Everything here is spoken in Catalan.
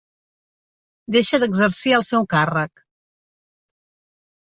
Deixa d'exercir el seu càrrec.